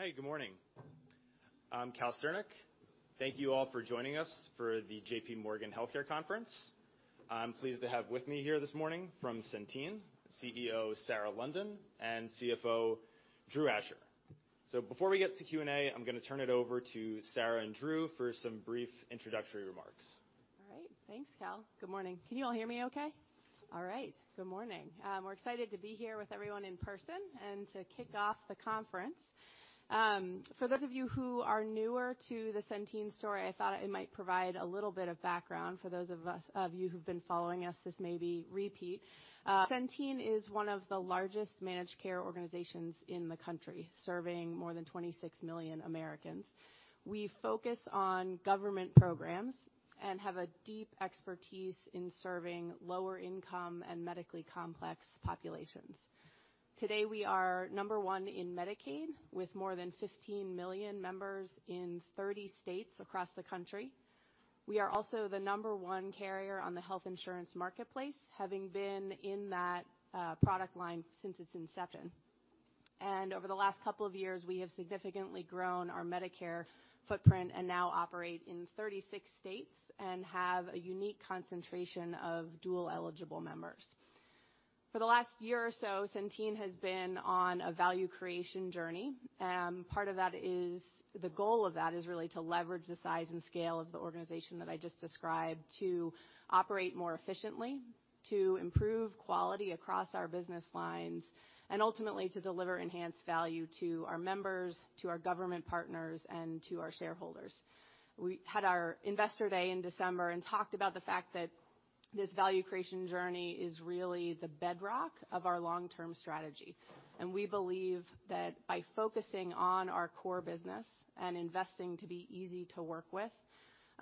Hi, good morning. I'm Cal Sternick. Thank you all for joining us for the J.P. Morgan Healthcare Conference. I'm pleased to have with me here this morning from Centene, CEO, Sarah London, and CFO, Drew Asher. Before we get to Q&A, I'm gonna turn it over to Sarah and Drew for some brief introductory remarks. All right. Thanks, Cal. Good morning. Can you all hear me okay? All right. Good morning. We're excited to be here with everyone in person and to kick off the conference. For those of you who are newer to the Centene story, I thought I might provide a little bit of background. For those of you who've been following us, this may be repeat. Centene is one of the largest managed care organizations in the country, serving more than 26 million Americans. We focus on government programs and have a deep expertise in serving lower income and medically complex populations. Today, we are number one in Medicaid, with more than 15 million members in 30 states across the country. We are also the number one carrier on the Health Insurance Marketplace, having been in that product line since its inception. Over the last couple of years, we have significantly grown our Medicare footprint and now operate in 36 states and have a unique concentration of dual-eligible members. For the last year or so, Centene has been on a value creation journey, the goal of that is really to leverage the size and scale of the organization that I just described to operate more efficiently, to improve quality across our business lines, and ultimately to deliver enhanced value to our members, to our government partners, and to our shareholders. We had our Investor Day in December and talked about the fact that this value creation journey is really the bedrock of our long-term strategy. We believe that by focusing on our core business and investing to be easy to work with,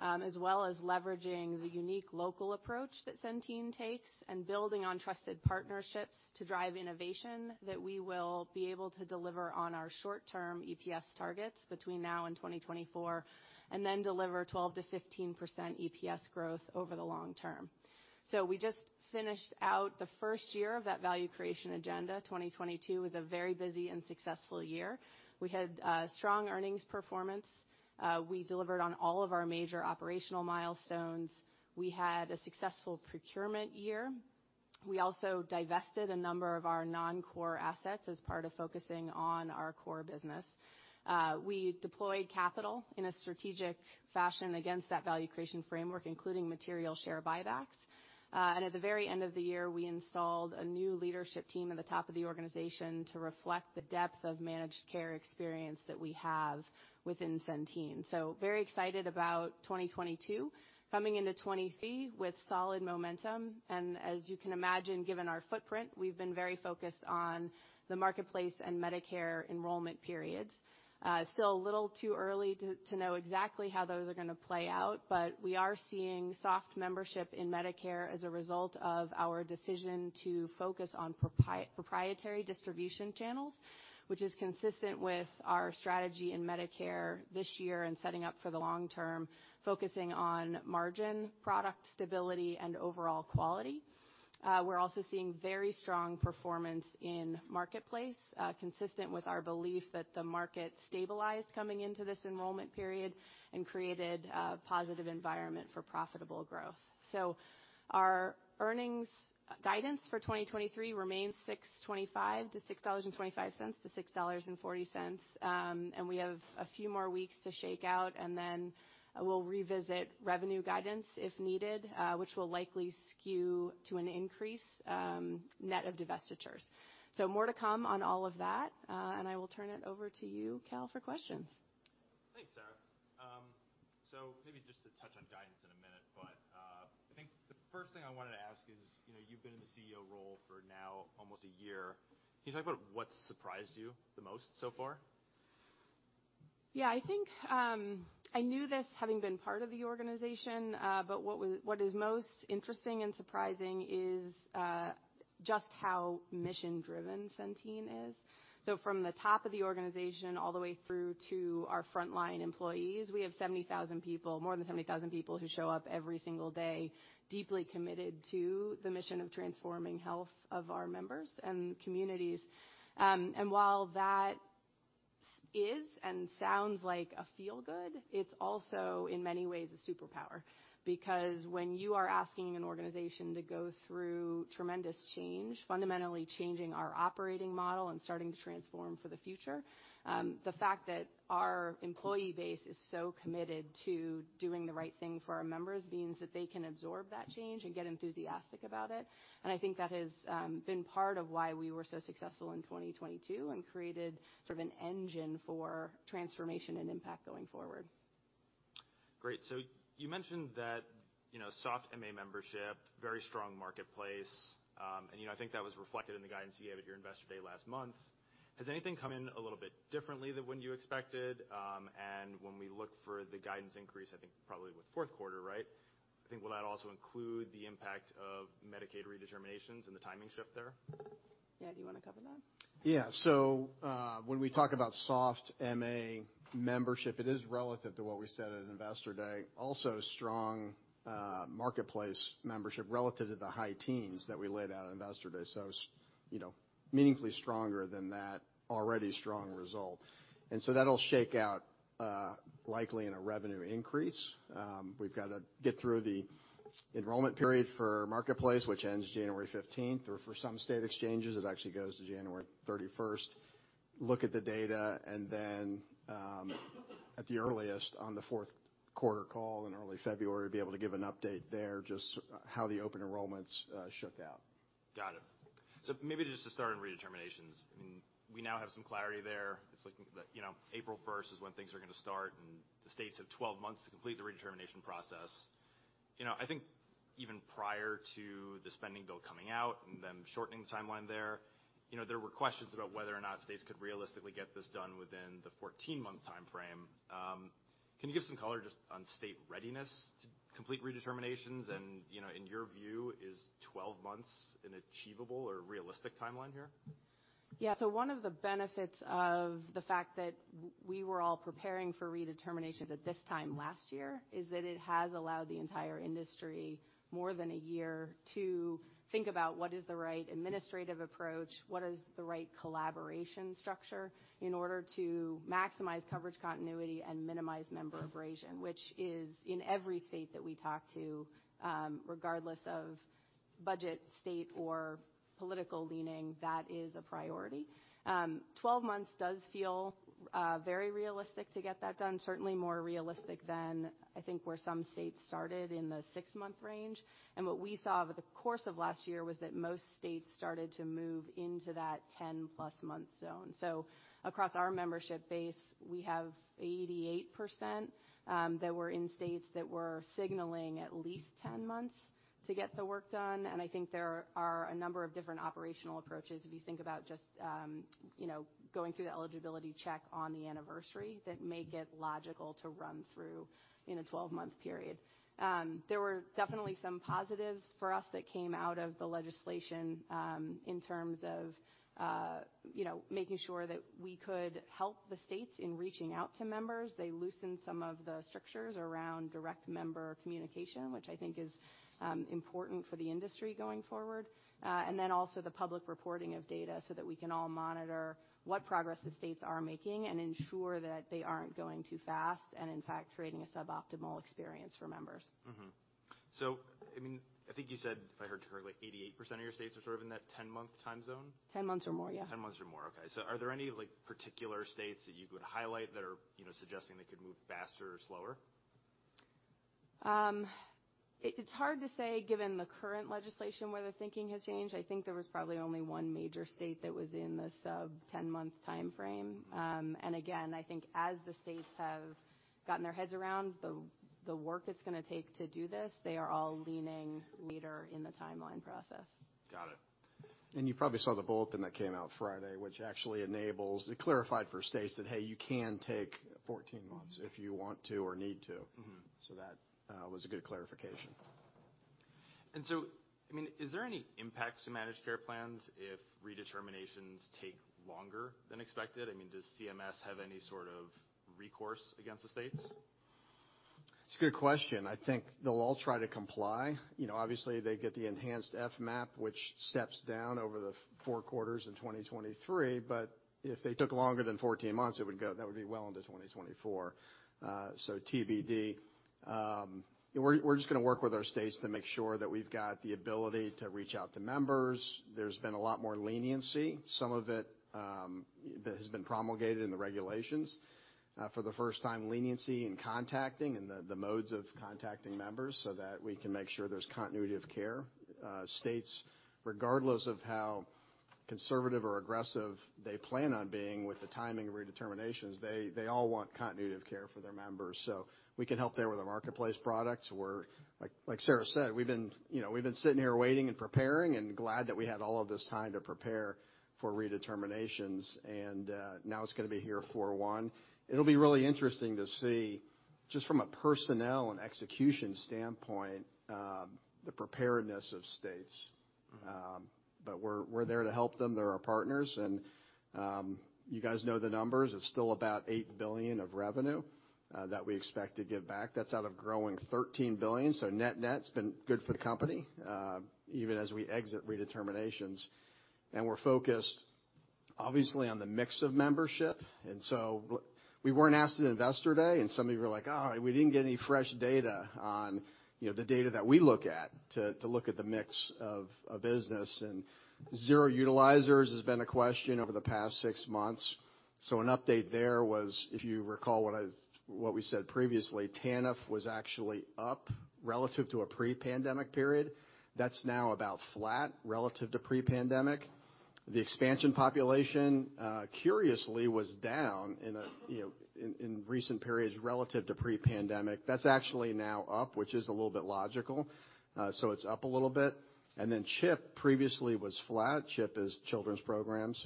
as well as leveraging the unique local approach that Centene takes, and building on trusted partnerships to drive innovation, that we will be able to deliver on our short-term EPS targets between now and 2024, and then deliver 12%-15% EPS growth over the long term. We just finished out the first year of that value creation agenda. 2022 was a very busy and successful year. We had strong earnings performance. We delivered on all of our major operational milestones. We had a successful procurement year. We also divested a number of our non-core assets as part of focusing on our core business. We deployed capital in a strategic fashion against that value creation framework, including material share buybacks. And at the very end of the year, we installed a new leadership team at the top of the organization to reflect the depth of managed care experience that we have within Centene. Very excited about 2022. Coming into 2023 with solid momentum, and as you can imagine, given our footprint, we've been very focused on the Marketplace and Medicare enrollment periods. Still a little too early to know exactly how those are gonna play out, but we are seeing soft membership in Medicare as a result of our decision to focus on proprietary distribution channels, which is consistent with our strategy in Medicare this year and setting up for the long term, focusing on margin product stability and overall quality. We're also seeing very strong performance in Marketplace, consistent with our belief that the market stabilized coming into this enrollment period and created a positive environment for profitable growth. Our earnings guidance for 2023 remains $6.25-$6.40. We have a few more weeks to shake out, and then we'll revisit revenue guidance if needed, which will likely skew to an increase, net of divestitures. More to come on all of that, and I will turn it over to you, Cal, for questions. Thanks, Sarah. Maybe just to touch on guidance in a minute, I think the first thing I wanted to ask is, you know, you've been in the CEO role for now almost a year. Can you talk about what surprised you the most so far? Yeah. I think, I knew this having been part of the organization, but what is most interesting and surprising is just how mission-driven Centene is. From the top of the organization all the way through to our frontline employees, we have 70,000 people, more than 70,000 people who show up every single day, deeply committed to the mission of transforming health of our members and communities. While that is and sounds like a feel-good, it's also, in many ways, a superpower. When you are asking an organization to go through tremendous change, fundamentally changing our operating model and starting to transform for the future, the fact that our employee base is so committed to doing the right thing for our members means that they can absorb that change and get enthusiastic about it. I think that has been part of why we were so successful in 2022 and created sort of an engine for transformation and impact going forward. Great. You mentioned that, you know, soft MA membership, very strong Marketplace, you know, I think that was reflected in the guidance you gave at your Investor Day last month. Has anything come in a little bit differently than when you expected? When we look for the guidance increase, I think probably with fourth quarter, right? Will that also include the impact of Medicaid redeterminations and the timing shift there? Yeah. Do you wanna cover that? When we talk about soft MA membership, it is relative to what we said at Investor Day. Also, strong Marketplace membership relative to the high teens that we laid out at Investor Day. It's, you know, meaningfully stronger than that already strong result. That'll shake out likely in a revenue increase. We've gotta get through the enrollment period for Marketplace, which ends January 15th, or for some state exchanges, it actually goes to January 31st. Look at the data, and then, at the earliest, on the fourth quarter call in early February, be able to give an update there, just how the open enrollment's shook out. Got it. Maybe just to start on redeterminations. I mean, we now have some clarity there. It's looking that, you know, April 1st is when things are gonna start. The states have 12 months to complete the redetermination process. You know, I think even prior to the spending bill coming out and them shortening the timeline there, you know, there were questions about whether or not states could realistically get this done within the 14-month timeframe. Can you give some color just on state readiness to complete redeterminations and, you know, in your view, is 12 months an achievable or realistic timeline here? One of the benefits of the fact that we were all preparing for redeterminations at this time last year, is that it has allowed the entire industry more than a year to think about what is the right administrative approach, what is the right collaboration structure in order to maximize coverage continuity and minimize member abrasion, which is in every state that we talk to, regardless of budget, state, or political leaning, that is a priority. 12 months does feel very realistic to get that done. Certainly more realistic than, I think, where some states started in the six-month range. What we saw over the course of last year was that most states started to move into that 10+ month zone. Across our membership base, we have 88% that were in states that were signaling at least 10 months to get the work done, and I think there are a number of different operational approaches, if you think about just, you know, going through the eligibility check on the anniversary, that make it logical to run through in a 12-month period. There were definitely some positives for us that came out of the legislation, in terms of, you know, making sure that we could help the states in reaching out to members. They loosened some of the structures around direct member communication, which I think is important for the industry going forward. Also the public reporting of data so that we can all monitor what progress the states are making and ensure that they aren't going too fast, and in fact, creating a suboptimal experience for members. I mean, I think you said, if I heard you correctly, 88% of your states are sort of in that 10-month time zone? 10 months or more, yeah. 10 months or more. Okay. Are there any, like, particular states that you would highlight that are, you know, suggesting they could move faster or slower? It's hard to say, given the current legislation, where the thinking has changed. I think there was probably only one major state that was in the sub 10-month timeframe. Again, I think as the states have gotten their heads around the work it's gonna take to do this, they are all leaning later in the timeline process. Got it. You probably saw the bulletin that came out Friday, which actually enables. It clarified for states that, hey, you can take 14 months if you want to or need to. Mm-hmm. That was a good clarification. I mean, is there any impact to managed care plans if redeterminations take longer than expected? I mean, does CMS have any sort of recourse against the states? It's a good question. I think they'll all try to comply. You know, obviously, they get the enhanced FMAP, which steps down over the four quarters in 2023, if they took longer than 14 months, it would go that would be well into 2024. TBD. We're just gonna work with our states to make sure that we've got the ability to reach out to members. There's been a lot more leniency. Some of it that has been promulgated in the regulations. For the first time, leniency in contacting and the modes of contacting members so that we can make sure there's continuity of care. States, regardless of how conservative or aggressive they plan on being with the timing of redeterminations, they all want continuity of care for their members. We can help there with the Marketplace products, where, like Sarah said, we've been, you know, we've been sitting here waiting and preparing and glad that we had all of this time to prepare for redeterminations. Now it's gonna be here for one. It'll be really interesting to see, just from a personnel and execution standpoint, the preparedness of states. But we're there to help them. They're our partners. You guys know the numbers. It's still about $8 billion of revenue that we expect to give back. That's out of growing $13 billion, so net's been good for the company even as we exit redeterminations. We're focused, obviously, on the mix of membership. We weren't asked at Investor Day, and some of you were like, "Oh, we didn't get any fresh data on," you know, the data that we look at to look at the mix of a business. Zero utilizers has been a question over the past six months. An update there was, if you recall what we said previously, TANF was actually up relative to a pre-pandemic period. That's now about flat relative to pre-pandemic. The expansion population, curiously was down in a, you know, in recent periods relative to pre-pandemic. That's actually now up, which is a little bit logical. It's up a little bit. CHIP previously was flat. CHIP is Children's Programs.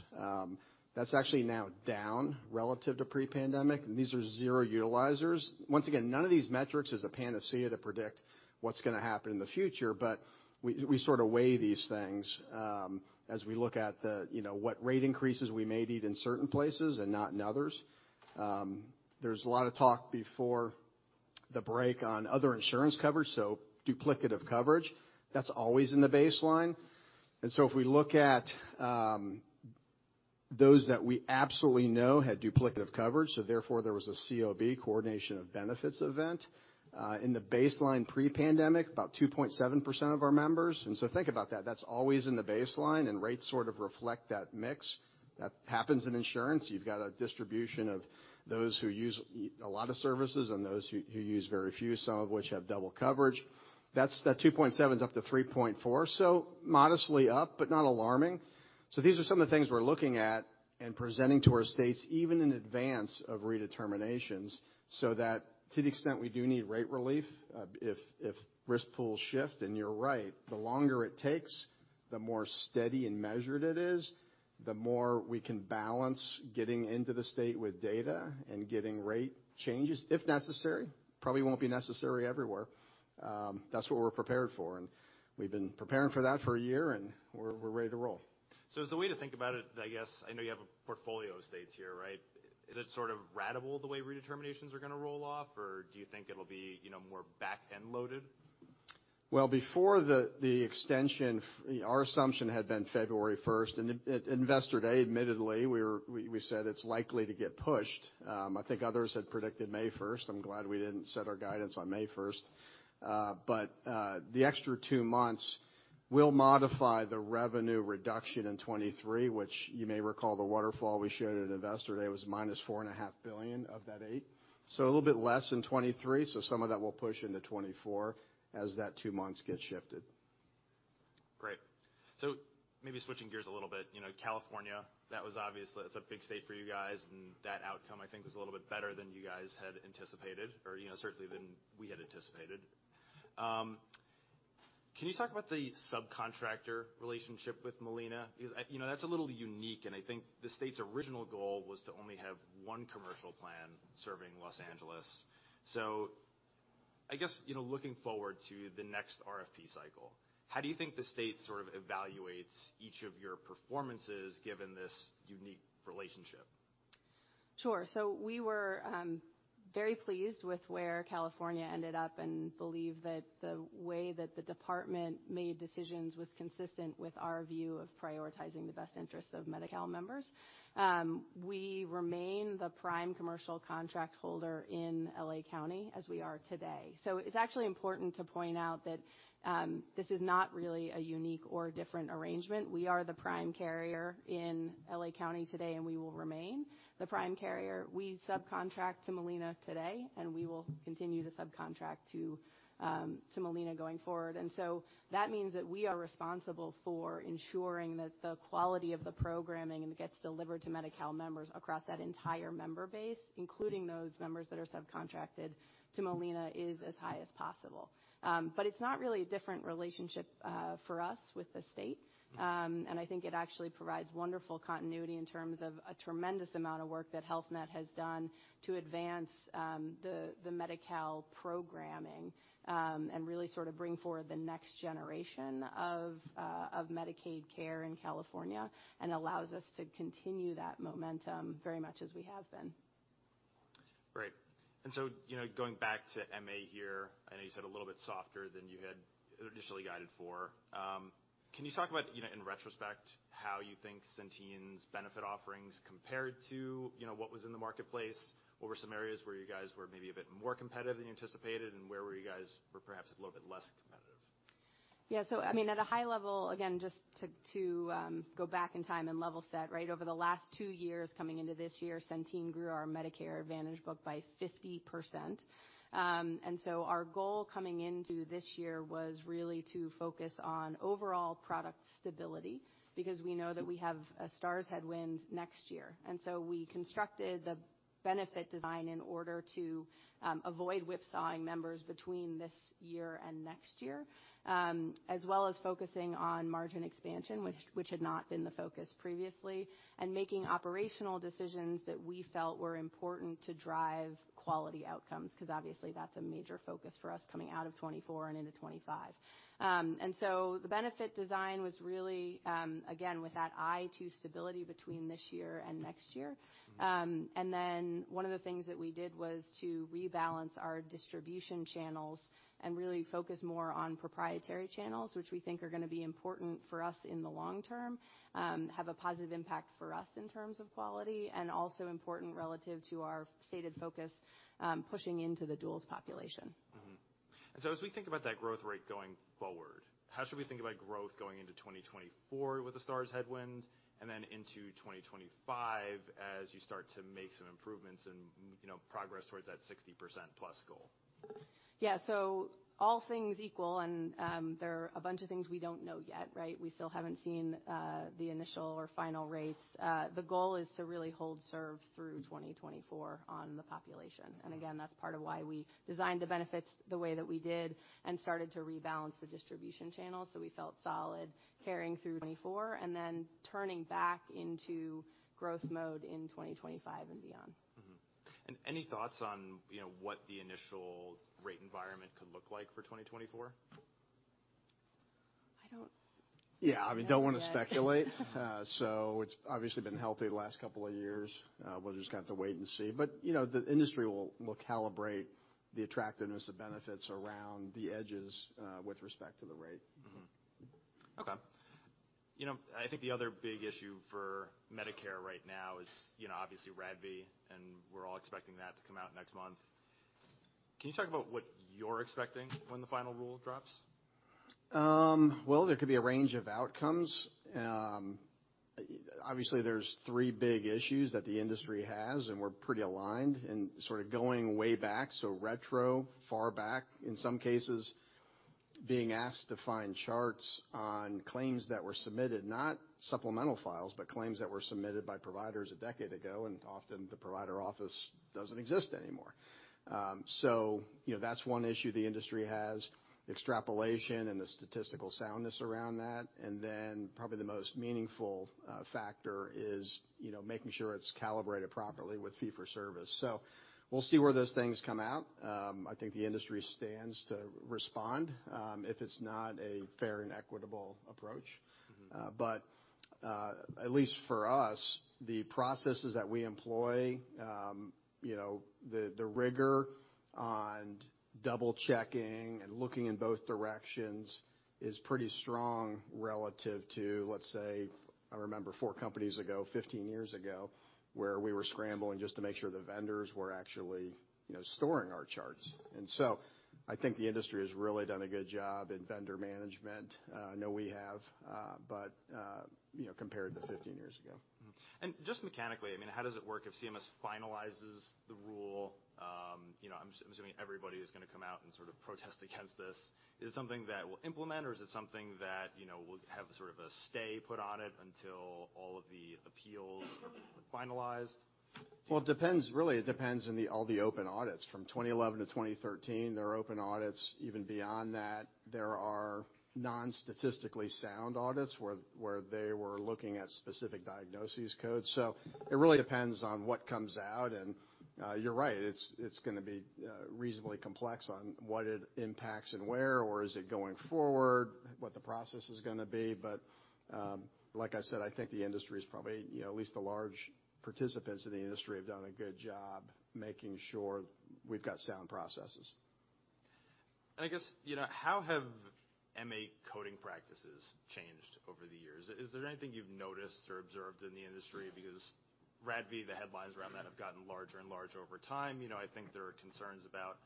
That's actually now down relative to pre-pandemic, and these are zero utilizers. Once again, none of these metrics is a panacea to predict what's gonna happen in the future, but we sort of weigh these things, as we look at the, you know, what rate increases we may need in certain places and not in others. There was a lot of talk before the break on other insurance coverage, so duplicative coverage, that's always in the baseline. If we look at those that we absolutely know had duplicative coverage, so therefore there was a COB, coordination of benefits event, in the baseline pre-pandemic, about 2.7% of our members. Think about that's always in the baseline, and rates sort of reflect that mix. That happens in insurance. You've got a distribution of those who use a lot of services and those who use very few, some of which have double coverage. That 2.7's up to 3.4, modestly up, but not alarming. These are some of the things we're looking at and presenting to our states, even in advance of redeterminations, so that to the extent we do need rate relief, if risk pools shift, and you're right, the longer it takes, the more steady and measured it is, the more we can balance getting into the state with data and getting rate changes, if necessary. Probably won't be necessary everywhere. That's what we're prepared for, and we've been preparing for that for a year, and we're ready to roll. Is the way to think about it, I guess, I know you have a portfolio of states here, right? Is it sort of ratable the way redeterminations are gonna roll off, or do you think it'll be, you know, more back-end loaded? Well, before the extension our assumption had been February first. At Investor Day, admittedly, we said it's likely to get pushed. I think others had predicted May 1st. I'm glad we didn't set our guidance on May first. But, the extra two months will modify the revenue reduction in 2023, which you may recall the waterfall we showed at Investor Day was -4.5 billion of that eight. A little bit less in 2023. Some of that will push into 2024 as that two months gets shifted. Great. Maybe switching gears a little bit, you know, California, that's a big state for you guys, and that outcome, I think, was a little bit better than you guys had anticipated or, you know, certainly than we had anticipated. Can you talk about the subcontractor relationship with Molina? Because, you know, that's a little unique, and I think the state's original goal was to only have one commercial plan serving Los Angeles. I guess, you know, looking forward to the next RFP cycle, how do you think the state sort of evaluates each of your performances given this unique relationship? Sure. We were very pleased with where California ended up and believe that the way that the department made decisions was consistent with our view of prioritizing the best interests of Medi-Cal members. We remain the prime commercial contract holder in L.A. County, as we are today. It's actually important to point out that this is not really a unique or different arrangement. We are the prime carrier in L.A. County today, and we will remain the prime carrier. We subcontract to Molina today, and we will continue to subcontract to Molina going forward. That means that we are responsible for ensuring that the quality of the programming that gets delivered to Medi-Cal members across that entire member base, including those members that are subcontracted to Molina, is as high as possible. It's not really a different relationship for us with the state. I think it actually provides wonderful continuity in terms of a tremendous amount of work that Health Net has done to advance the Medi-Cal programming and really sort of bring forward the next generation of Medicaid care in California and allows us to continue that momentum very much as we have been. Great. You know, going back to MA here, I know you said a little bit softer than you had initially guided for. Can you talk about, you know, in retrospect, how you think Centene's benefit offerings compared to, you know, what was in the Marketplace? What were some areas where you guys were maybe a bit more competitive than you anticipated, and where you guys were perhaps a little bit less competitive? Yeah. I mean, at a high level, again, just to go back in time and level set, right? Over the last two years coming into this year, Centene grew our Medicare Advantage book by 50%. Our goal coming into this year was really to focus on overall product stability because we know that we have a Stars headwind next year. We constructed the benefit design in order to avoid whipsawing members between this year and next year, as well as focusing on margin expansion, which had not been the focus previously, and making operational decisions that we felt were important to drive quality outcomes, because obviously, that's a major focus for us coming out of 2024 and into 2025. The benefit design was really, again, with that eye to stability between this year and next year. Then one of the things that we did was to rebalance our distribution channels and really focus more on proprietary channels, which we think are gonna be important for us in the long term, have a positive impact for us in terms of quality, and also important relative to our stated focus, pushing into the duals population. As we think about that growth rate going forward, how should we think about growth going into 2024 with the Stars headwinds and then into 2025 as you start to make some improvements and, you know, progress towards that 60%+ goal? Yeah. All things equal, and there are a bunch of things we don't know yet, right? We still haven't seen the initial or final rates. The goal is to really hold serve through 2024 on the population. Again, that's part of why we designed the benefits the way that we did and started to rebalance the distribution channel, so we felt solid carrying through 2024 and then turning back into growth mode in 2025 and beyond. Any thoughts on, you know, what the initial rate environment could look like for 2024? I don't- I mean, don't wanna speculate. It's obviously been healthy the last couple of years. We'll just have to wait and see. You know, the industry will calibrate the attractiveness of benefits around the edges with respect to the rate. Mm-hmm. Okay. You know, I think the other big issue for Medicare right now is, you know, obviously RADV. We're all expecting that to come out next month. Can you talk about what you're expecting when the final rule drops? Well, there could be a range of outcomes. Obviously, there's three big issues that the industry has, and we're pretty aligned and sort of going way back, so retro, far back, in some cases, being asked to find charts on claims that were submitted, not supplemental files, but claims that were submitted by providers a decade ago, and often the provider office doesn't exist anymore. You know, that's one issue the industry has, extrapolation and the statistical soundness around that. Then probably the most meaningful factor is, you know, making sure it's calibrated properly with fee-for-service. We'll see where those things come out. I think the industry stands to respond if it's not a fair and equitable approach. Mm-hmm. At least for us, the processes that we employ, you know, the rigor on double-checking and looking in both directions is pretty strong relative to, let's say, I remember four companies ago, 15 years ago, where we were scrambling just to make sure the vendors were actually, you know, storing our charts. I think the industry has really done a good job in vendor management. I know we have, you know, compared to 15 years ago. Just mechanically, I mean, how does it work if CMS finalizes the rule? You know, I'm assuming everybody is gonna come out and sort of protest against this. Is it something that we'll implement, or is it something that, you know, we'll have sort of a stay put on it until all of the appeals are finalized? Well, it depends. Really, it depends on the all the open audits from 2011 to 2013. There are open audits even beyond that. There are non-statistically sound audits, where they were looking at specific diagnoses codes. It really depends on what comes out. You're right, it's gonna be reasonably complex on what it impacts and where, or is it going forward, what the process is gonna be. Like I said, I think the industry is probably, you know, at least the large participants in the industry have done a good job making sure we've got sound processes. I guess, you know, how have MA coding practices changed over the years? Is there anything you've noticed or observed in the industry? Because RADV, the headlines around that have gotten larger and larger over time. You know, I think there are concerns about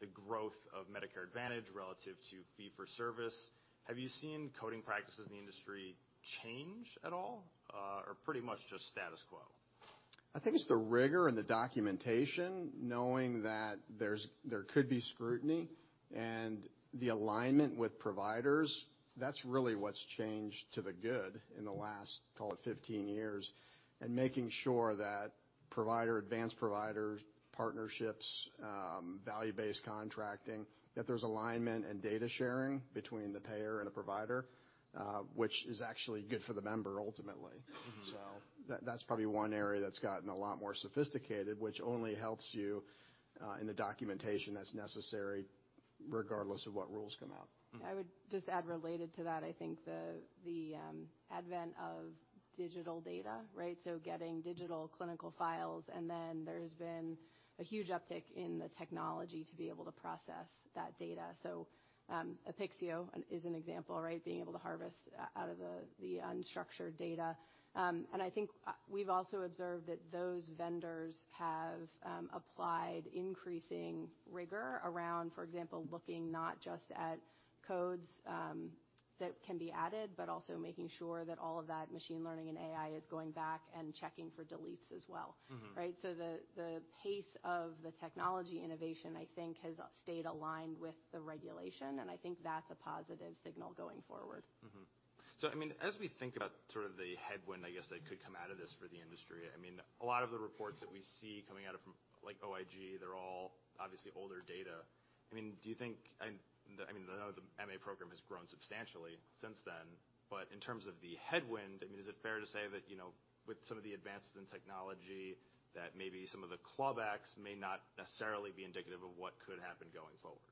the growth of Medicare Advantage relative to fee-for-service. Have you seen coding practices in the industry change at all, or pretty much just status quo? I think it's the rigor and the documentation, knowing that there could be scrutiny and the alignment with providers. That's really what's changed to the good in the last, call it 15 years, and making sure that provider, advanced provider, partnerships, value-based contracting, that there's alignment and data sharing between the payer and the provider, which is actually good for the member ultimately. Mm-hmm. That's probably one area that's gotten a lot more sophisticated, which only helps you in the documentation that's necessary regardless of what rules come out. Mm. I would just add related to that, I think the advent of digital data, right? Getting digital clinical files, and then there's been a huge uptick in the technology to be able to process that data. Apixio is an example, right? Being able to harvest out of the unstructured data. I think we've also observed that those vendors have applied increasing rigor around, for example, looking not just at codes that can be added, but also making sure that all of that machine learning and AI is going back and checking for deletes as well. Mm-hmm. Right? The pace of the technology innovation, I think has stayed aligned with the regulation, and I think that's a positive signal going forward. I mean, as we think about sort of the headwind, I guess, that could come out of this for the industry, I mean, a lot of the reports that we see coming out of from, like, OIG, they're all obviously older data. I mean, do you think, I mean, I know the MA program has grown substantially since then, but in terms of the headwind, I mean, is it fair to say that, you know, with some of the advances in technology, that maybe some of the clawbacks may not necessarily be indicative of what could happen going forward?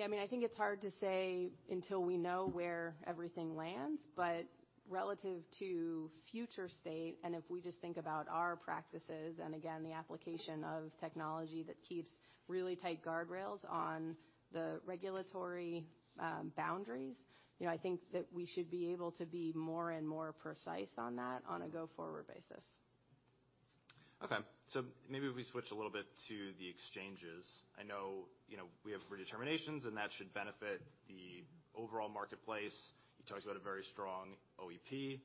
Yeah. I mean, I think it's hard to say until we know where everything lands, but relative to future state, and if we just think about our practices, and again, the application of technology that keeps really tight guardrails on the regulatory boundaries, you know, I think that we should be able to be more and more precise on that on a go-forward basis. Okay. Maybe if we switch a little bit to the exchanges. I know, you know, we have redeterminations, and that should benefit the overall Marketplace. You talked about a very strong OEP.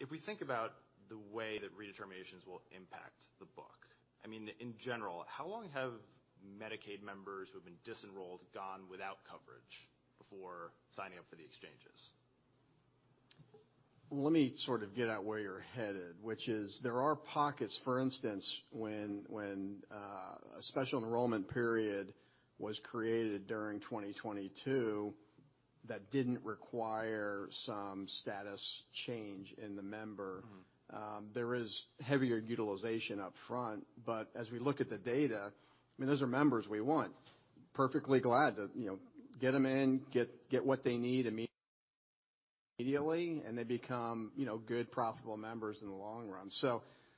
If we think about the way that redeterminations will impact the book, I mean, in general, how long have Medicaid members who have been disenrolled gone without coverage before signing up for the exchanges? Let me sort of get at where you're headed, which is there are pockets, for instance, when a Special Enrollment Period was created during 2022. That didn't require some status change in the member. Mm-hmm. There is heavier utilization up front, as we look at the data, I mean, those are members we want. Perfectly glad to, you know, get 'em in, get what they need immediately, and they become, you know, good profitable members in the long run.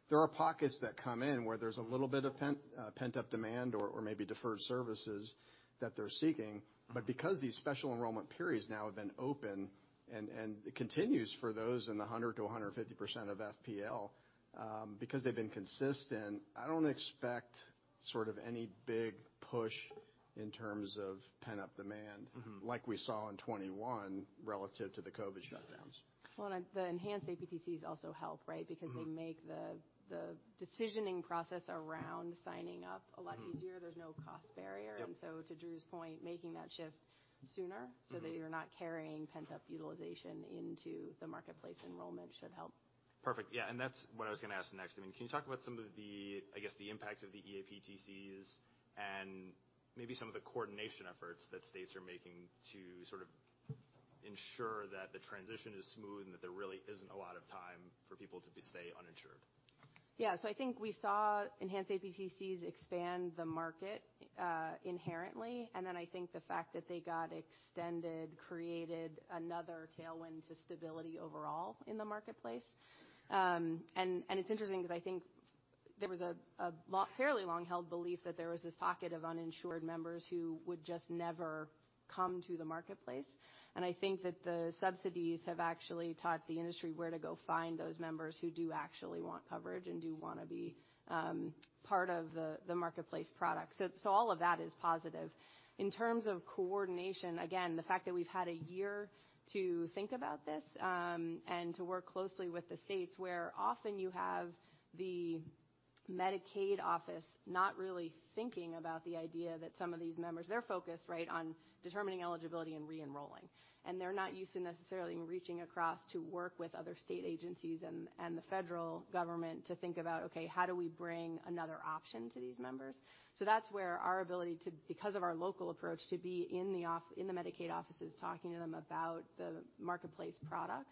There are pockets that come in where there's a little bit of pent-up demand or maybe deferred services that they're seeking. Because these special enrollment periods now have been open and it continues for those in the 100%-150% of FPL, because they've been consistent, I don't expect sort of any big push in terms of pent-up demand. Mm-hmm. like we saw in 2021 relative to the COVID shutdowns. Well, the enhanced APTCs also help, right? Mm-hmm. They make the decisioning process around signing up a lot easier. Mm-hmm. There's no cost barrier. Yep. To Drew's point, making that shift sooner- Mm-hmm. That you're not carrying pent-up utilization into the Marketplace enrollment should help. Perfect. That's what I was gonna ask next. I mean, can you talk about some of the, I guess, the impact of the EAPTCs and maybe some of the coordination efforts that states are making to sort of ensure that the transition is smooth and that there really isn't a lot of time for people to stay uninsured? Yeah. I think we saw enhanced EAPTCs expand the market, inherently, and then I think the fact that they got extended created another tailwind to stability overall in the Marketplace. It's interesting 'cause I think there was a fairly long-held belief that there was this pocket of uninsured members who would just never come to the Marketplace, and I think that the subsidies have actually taught the industry where to go find those members who do actually want coverage and do wanna be part of the Marketplace product. All of that is positive. In terms of coordination, again, the fact that we've had a year to think about this, and to work closely with the states, where often you have the Medicaid office not really thinking about the idea that some of these members, they're focused, right, on determining eligibility and re-enrolling. They're not used to necessarily reaching across to work with other state agencies and the federal government to think about, okay, how do we bring another option to these members? That's where our ability to, because of our local approach, to be in the Medicaid offices, talking to them about the Marketplace products,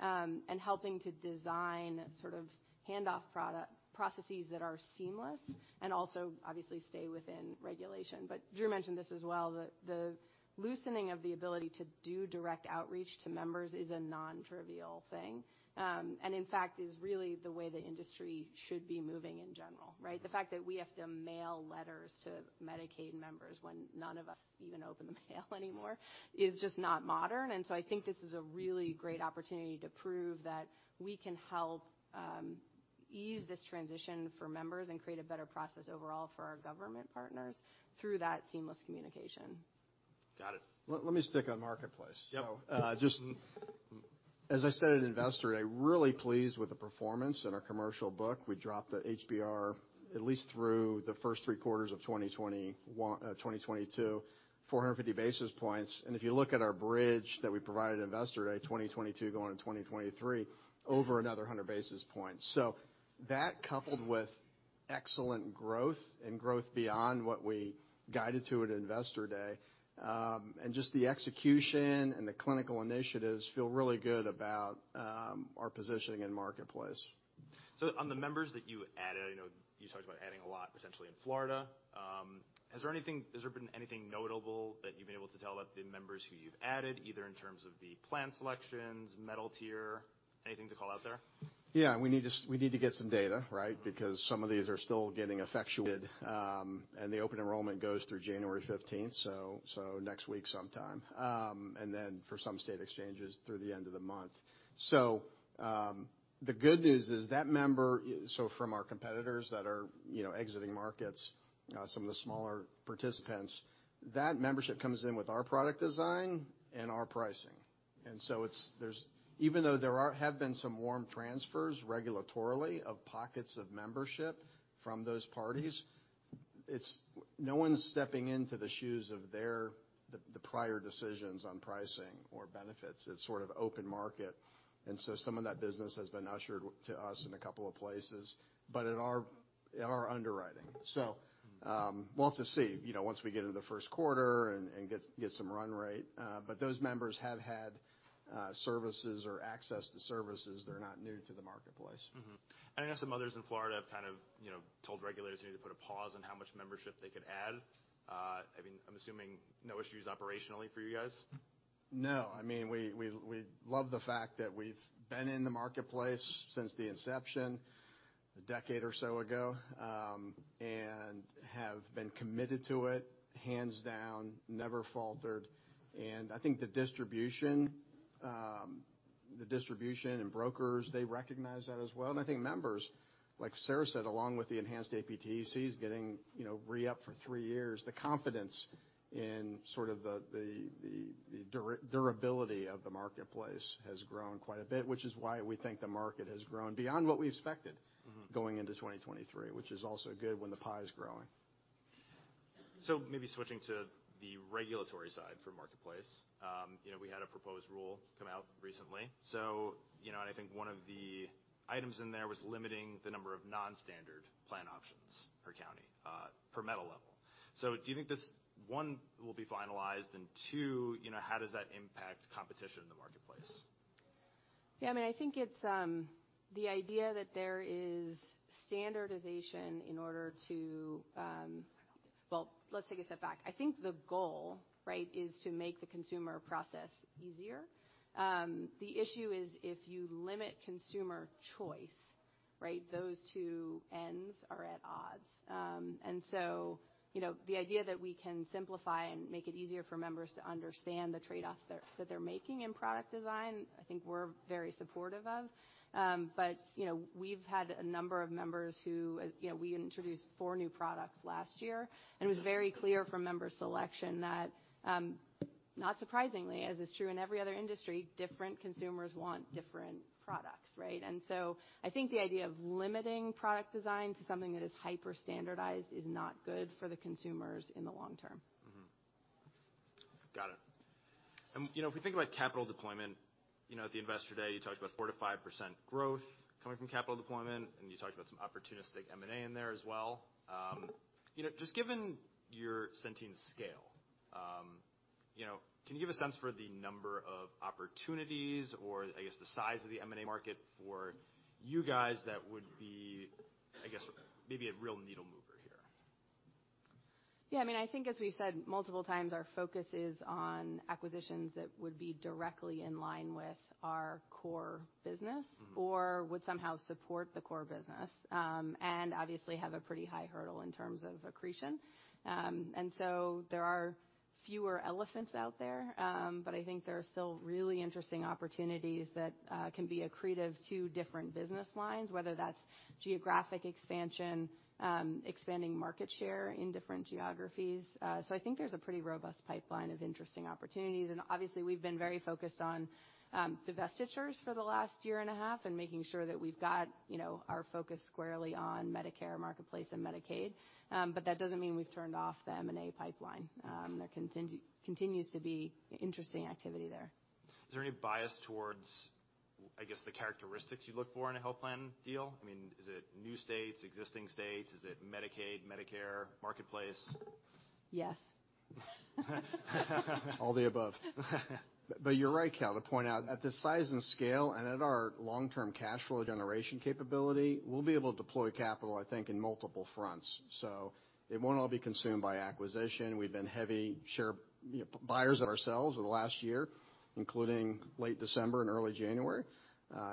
and helping to design sort of hand off processes that are seamless and also obviously stay within regulation. Drew mentioned this as well, the loosening of the ability to do direct outreach to members is a nontrivial thing, and in fact, is really the way the industry should be moving in general, right? The fact that we have to mail letters to Medicaid members when none of us even open the mail anymore is just not modern. I think this is a really great opportunity to prove that we can help ease this transition for members and create a better process overall for our government partners through that seamless communication. Got it. Let me stick on Marketplace. Yep. Just as I said at Investor Day, really pleased with the performance in our commercial book. We dropped the HBR, at least through the first three quarters of 2022, 450 basis points. If you look at our bridge that we provided at Investor Day 2022 going to 2023, over another 100 basis points. That coupled with excellent growth and growth beyond what we guided to at Investor Day, and just the execution and the clinical initiatives, feel really good about our positioning in the marketplace. On the members that you added, I know you talked about adding a lot potentially in Florida, has there been anything notable that you've been able to tell about the members who you've added, either in terms of the plan selections, metal tier, anything to call out there? Yeah. We need to get some data, right? Some of these are still getting effectuated, and the open enrollment goes through January fifteenth, so next week sometime. For some state exchanges, through the end of the month. The good news is that member, so from our competitors that are, you know, exiting markets, some of the smaller participants, that membership comes in with our product design and our pricing. Even though there have been some warm transfers regulatorily of pockets of membership from those parties, no one's stepping into the shoes of the prior decisions on pricing or benefits. It's sort of open market, some of that business has been ushered to us in a couple of places, but in our underwriting. We'll have to see, you know, once we get into the first quarter and get some run rate. Those members have had services or access to services. They're not new to the Marketplace. Mm-hmm. I know some others in Florida have kind of, you know, told regulators you need to put a pause on how much membership they could add. I mean, I'm assuming no issues operationally for you guys? No. I mean, we love the fact that we've been in the Marketplace since the inception a decade or so ago, and have been committed to it, hands down, never faltered. I think the distribution, the distribution and brokers, they recognize that as well. I think members, like Sarah said, along with the enhanced EAPTCs getting, you know, re-up for three years, the confidence in sort of the durability of the Marketplace has grown quite a bit, which is why we think the market has grown beyond what we expected. Mm-hmm. going into 2023, which is also good when the pie is growing. Maybe switching to the regulatory side for Marketplace, you know, we had a proposed rule come out recently, you know, I think one of the items in there was limiting the number of non-standard plan options per county, per metal level. Do you think this, one, will be finalized? Two, you know, how does that impact competition in the Marketplace? I mean, I think it's, the idea that there is standardization in order to. Well, let's take a step back. I think the goal, right, is to make the consumer process easier. The issue is if you limit consumer choice, right? Those two ends are at odds. You know, the idea that we can simplify and make it easier for members to understand the trade-offs that they're making in product design, I think we're very supportive of. You know, we've had a number of members who you know, we introduced four new products last year, and it was very clear from member selection that, not surprisingly, as is true in every other industry, different consumers want different products, right? I think the idea of limiting product design to something that is hyper standardized is not good for the consumers in the long term. Got it. You know, if we think about capital deployment, you know, at the Investor Day, you talked about 4%-5% growth coming from capital deployment, and you talked about some opportunistic M&A in there as well. You know, just given your Centene scale, you know, can you give a sense for the number of opportunities or, I guess, the size of the M&A market for you guys that would be, I guess, maybe a real needle mover here? I mean, I think as we said multiple times, our focus is on acquisitions that would be directly in line with our core business. Mm-hmm. Or would somehow support the core business, and obviously have a pretty high hurdle in terms of accretion. There are fewer elephants out there. I think there are still really interesting opportunities that can be accretive to different business lines, whether that's geographic expansion, expanding market share in different geographies. I think there's a pretty robust pipeline of interesting opportunities. Obviously, we've been very focused on divestitures for the last year and a half and making sure that we've got, you know, our focus squarely on Medicare, Marketplace, and Medicaid. That doesn't mean we've turned off the M&A pipeline. There continues to be interesting activity there. Is there any bias towards, I guess, the characteristics you look for in a health plan deal? I mean, is it new states, existing states? Is it Medicaid, Medicare, Marketplace? Yes. All the above. You're right, Cal, to point out. At this size and scale and at our long-term cash flow generation capability, we'll be able to deploy capital, I think, in multiple fronts. It won't all be consumed by acquisition. We've been heavy share, you know, buyers ourselves over the last year, including late December and early January,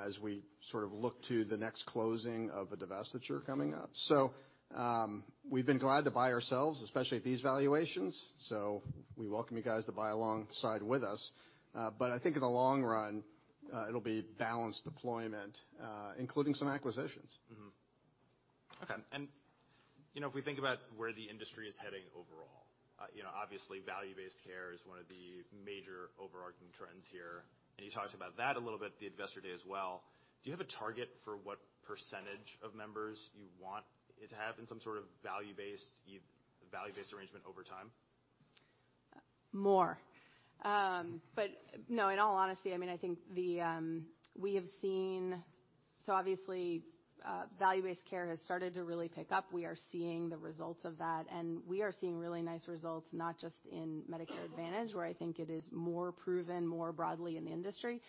as we sort of look to the next closing of a divestiture coming up. We've been glad to buy ourselves, especially at these valuations, so we welcome you guys to buy alongside with us. I think in the long run, it'll be balanced deployment, including some acquisitions. Okay. You know, if we think about where the industry is heading overall, you know, obviously, value-based care is one of the major overarching trends here, and you talked about that a little bit at the Investor Day as well. Do you have a target for what percentage of members you want to have in some sort of value-based arrangement over time? More. No, in all honesty, I mean. We have seen. Obviously, value-based care has started to really pick up. We are seeing the results of that, and we are seeing really nice results, not just in Medicare Advantage, where I think it is more proven more broadly in the industry.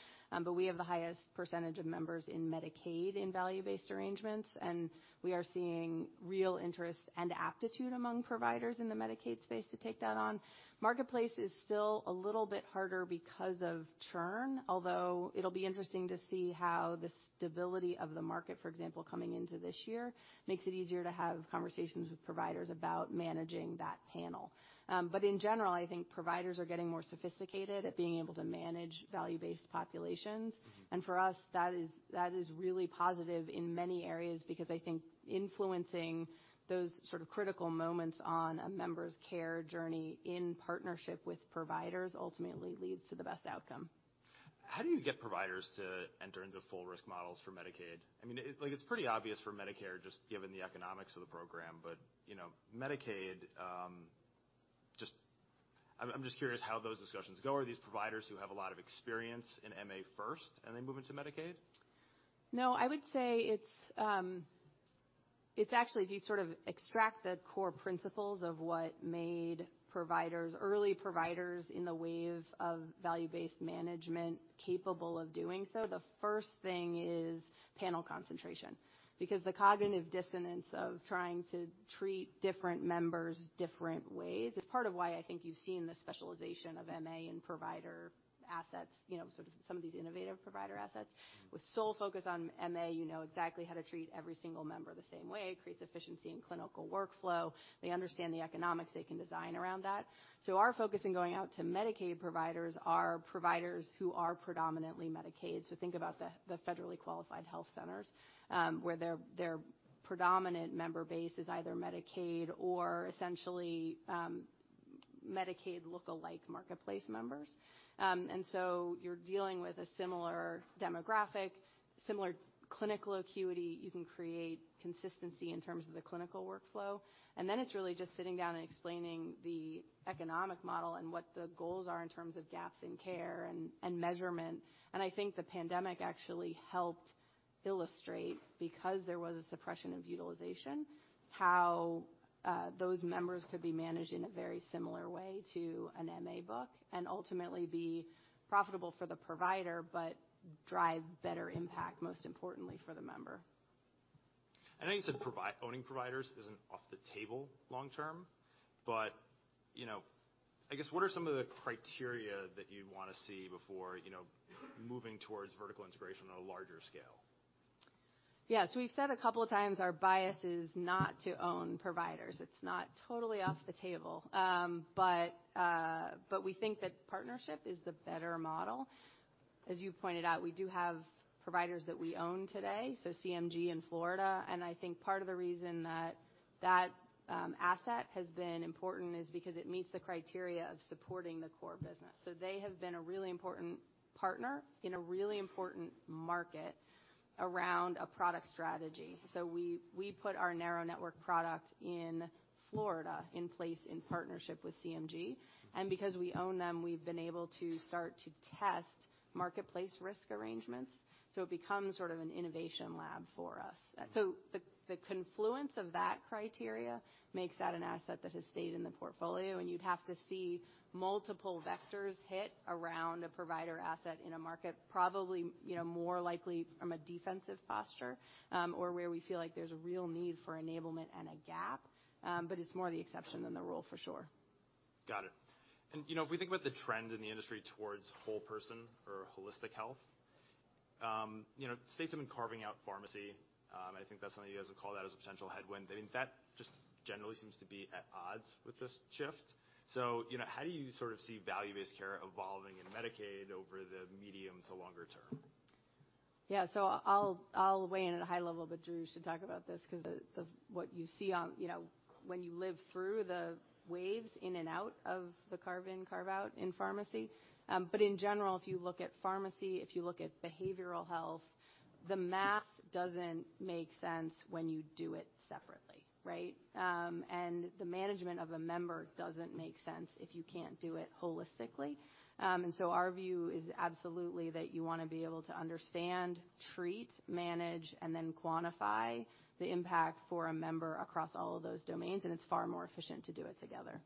We have the highest percentage of members in Medicaid in value-based arrangements, and we are seeing real interest and aptitude among providers in the Medicaid space to take that on. Marketplace is still a little bit harder because of churn, although it'll be interesting to see how the stability of the market, for example, coming into this year, makes it easier to have conversations with providers about managing that panel. In general, I think providers are getting more sophisticated at being able to manage value-based populations. Mm-hmm. For us, that is really positive in many areas because I think influencing those sort of critical moments on a member's care journey in partnership with providers ultimately leads to the best outcome. How do you get providers to enter into full risk models for Medicaid? I mean, like, it's pretty obvious for Medicare, just given the economics of the program, but, you know, Medicaid, I'm just curious how those discussions go. Are these providers who have a lot of experience in MA first and then move into Medicaid? No, I would say it's actually, if you sort of extract the core principles of what made providers, early providers in the wave of value-based management capable of doing so, the first thing is panel concentration. Because the cognitive dissonance of trying to treat different members different ways is part of why I think you've seen the specialization of MA and provider assets, you know, sort of some of these innovative provider assets. Mm-hmm. With sole focus on MA, you know exactly how to treat every single member the same way. It creates efficiency in clinical workflow. They understand the economics, they can design around that. Our focus in going out to Medicaid providers are providers who are predominantly Medicaid. Think about the Federally Qualified Health Centers, where their predominant member base is either Medicaid or essentially Medicaid lookalike Marketplace members. You're dealing with a similar demographic, similar clinical acuity. You can create consistency in terms of the clinical workflow. It's really just sitting down and explaining the economic model and what the goals are in terms of gaps in care and measurement. I think the pandemic actually helped illustrate because there was a suppression of utilization, how those members could be managed in a very similar way to an MA book and ultimately be profitable for the provider, but drive better impact, most importantly for the member. I know you said owning providers isn't off the table long term, but, you know, I guess what are some of the criteria that you'd wanna see before, you know, moving towards vertical integration on a larger scale? Yeah. We've said a couple of times our bias is not to own providers. It's not totally off the table. But we think that partnership is the better model. As you pointed out, we do have providers that we own today, CMG in Florida. I think part of the reason that that asset has been important is because it meets the criteria of supporting the core business. They have been a really important partner in a really important market around a product strategy. We, we put our narrow network product in Florida in place in partnership with CMG. Because we own them, we've been able to start to test marketplace risk arrangements. It becomes sort of an innovation lab for us. The confluence of that criteria makes that an asset that has stayed in the portfolio, and you'd have to see multiple vectors hit around a provider asset in a market, probably, you know, more likely from a defensive posture, or where we feel like there's a real need for enablement and a gap. It's more the exception than the rule, for sure. Got it. You know, if we think about the trend in the industry towards whole person or holistic health, you know, states have been carving out pharmacy. I think that's something you guys would call that as a potential headwind. I think that just generally seems to be at odds with this shift. You know, how do you sort of see value-based care evolving in Medicaid over the medium to longer term? I'll weigh in at a high level, but Drew should talk about this 'cause of the what you see on, you know, when you live through the waves in and out of the carve in, carve out in pharmacy. In general, if you look at pharmacy, if you look at behavioral health, the math doesn't make sense when you do it separately, right? The management of a member doesn't make sense if you can't do it holistically. Our view is absolutely that you wanna be able to understand, treat, manage, and then quantify the impact for a member across all of those domains, and it's far more efficient to do it together.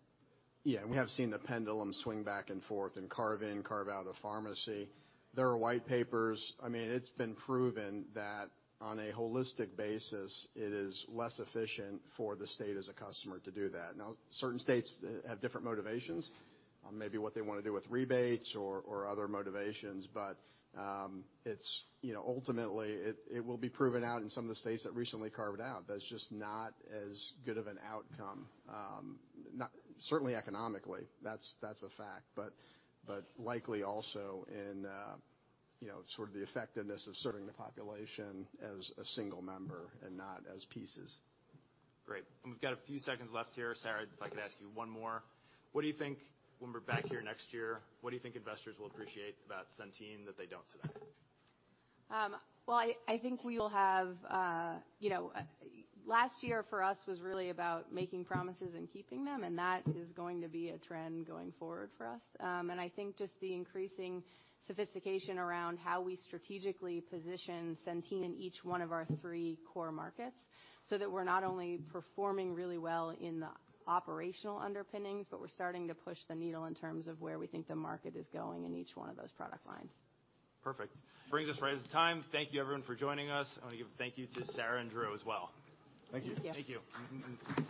Yeah. We have seen the pendulum swing back and forth in carve in, carve out of pharmacy. There are white papers. I mean, it's been proven that on a holistic basis it is less efficient for the state as a customer to do that. Certain states have different motivations on maybe what they wanna do with rebates or other motivations, but, you know, ultimately it will be proven out in some of the states that recently carved out. That's just not as good of an outcome, not certainly economically, that's a fact, but likely also in, you know, sort of the effectiveness of serving the population as a single member and not as pieces. Great. We've got a few seconds left here. Sarah, if I could ask you one more. What do you think when we're back here next year, what do you think investors will appreciate about Centene that they don't today? Well, I think we will have, you know. Last year for us was really about making promises and keeping them, and that is going to be a trend going forward for us. I think just the increasing sophistication around how we strategically position Centene in each one of our three core markets, so that we're not only performing really well in the operational underpinnings, but we're starting to push the needle in terms of where we think the market is going in each one of those product lines. Perfect. Brings us right as time. Thank you everyone for joining us. I wanna give thank you to Sarah and Drew as well. Thank you. Thank you. Thank you.